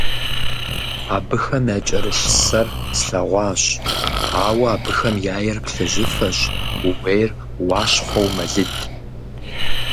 Абыхэм якӀэрылъ сэр слъэгъуащ, ауэ абыхэм яир плъыжьыфэщ, ууейр уащхъуэу мэлыд.